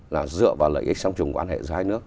là dựa vào lợi ích sống chung quan hệ giữa hai nước